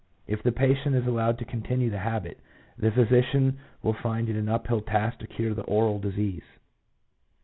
If the patient is allowed to continue the habit, the physician will find it an uphill task to cure the aural disease."